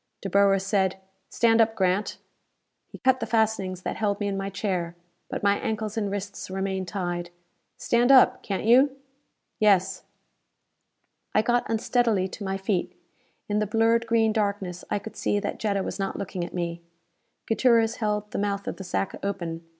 Dr. Boer said, "Stand up, Grant." He cut the fastenings that held me in my chair. But my ankles and wrists remained tied. "Stand up, can't you?" "Yes." I got unsteadily to my feet. In the blurred green darkness I could see that Jetta was not looking at me. Gutierrez held the mouth of the sack open.